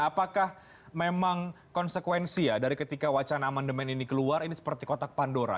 apakah memang konsekuensi ya dari ketika wacana amandemen ini keluar ini seperti kotak pandora